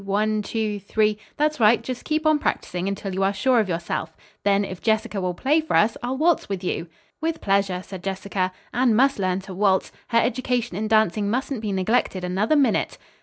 One, two, three. That's right. Just keep on practising, until you are sure of yourself; then if Jessica will play for us, I'll waltz with you." "With pleasure," said Jessica, "Anne must learn to waltz. Her education in dancing mustn't be neglected another minute."